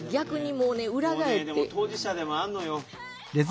もうねでも当事者でもあんのよ。